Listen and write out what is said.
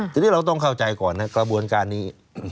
ทีนี้เราต้องเข้าใจก่อนนะกระบวนการนี้